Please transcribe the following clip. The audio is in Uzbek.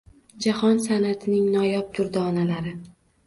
Jahon sanʼatining noyob durdonalari